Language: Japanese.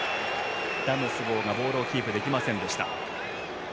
ダムスゴーがボールをキープできませんでした。